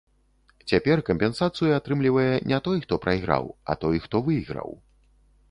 Цяпер кампенсацыю атрымлівае не той, хто прайграў, а той, хто выйграў.